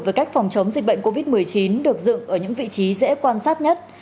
với cách phòng chống dịch bệnh covid một mươi chín được dựng ở những vị trí dễ quan sát nhất